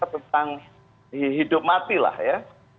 sekarang ini kita tentang hidup mati lah ya